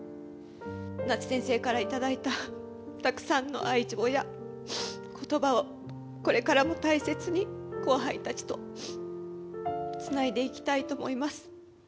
夏先生から頂いたたくさんの愛情やことばを、これからも大切に後輩たちとつないでいきたいと思います。